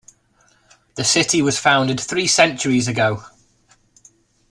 The city was founded three centuries ago.